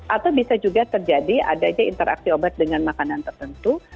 atau bisa juga terjadi adanya interaksi obat dengan makanan tertentu